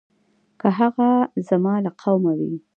که هغه زما له قومه وي.